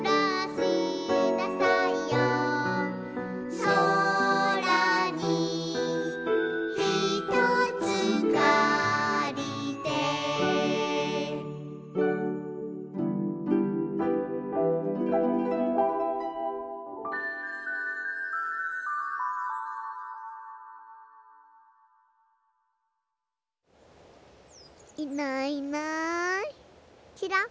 「そらにひとつかりて」いないいないちらっ。